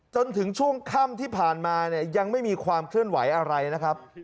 จนถึงช่วงค่ำที่ผ่านมาเนี่ยยังไม่มีความเคลื่อนไหวอะไรนะครับ